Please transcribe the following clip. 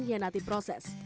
dan dia menginati proses